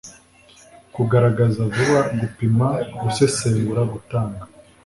kugaragaza vuba gupima gusesengura gutanga